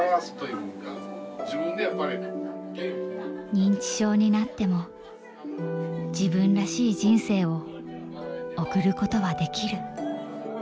認知症になっても自分らしい人生を送ることはできる。